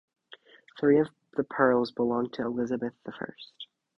Three of the pearls belonged to Elizabeth the First.